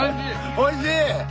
おいしい！